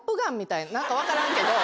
何か分からんけど。